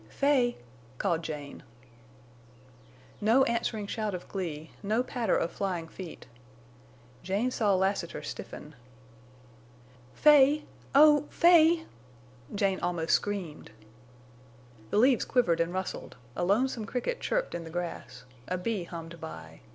"Fay!" called Jane. No answering shout of glee. No patter of flying feet. Jane saw Lassiter stiffen. "Fay—oh—Fay!" Jane almost screamed. The leaves quivered and rustled; a lonesome cricket chirped in the grass, a bee hummed by.